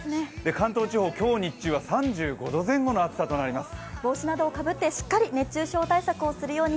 関東地方、今日日中は３５度前後の暑さとなります。